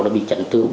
đã bị trấn tư